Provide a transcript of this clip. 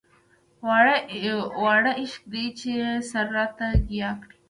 واړه عشق دی چې يې سر راته ګياه کړ.